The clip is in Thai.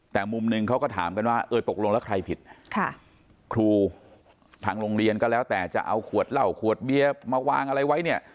แต่มุมหนึ่งเขาก็ถามกันว่าเออตกลงแล้วใครผิดครูทางโรงเรียนก็แล้วแต่จะเอาขวดเหล้าขวดเบียร์มาวางอะไรไว้เนี่ย